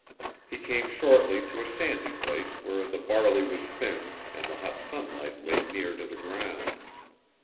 He came shortly to a sandy place where the barley was thin and the hot sunlight lay near to the ground.